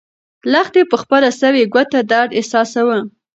لښتې په خپله سوې ګوته درد احساساوه.